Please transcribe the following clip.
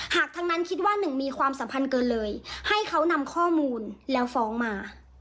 หากทั้งนั้นคิดว่าหนึ่งมีความสัมพันธ์เกินเลยให้เขานำข้อมูลแล้วฟ้องมา